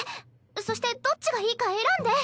そしてどっちがいいか選んで。